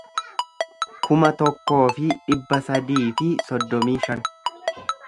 kuma tokkoo fi dhibba sadii fi soddomii shan